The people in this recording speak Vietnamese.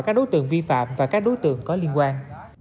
các đối tượng vi phạm và các đối tượng có liên quan